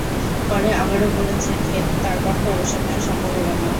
পরে আবারও বলেছেন কেন তাঁর পক্ষে অবসর নেওয়া সম্ভব হলো না।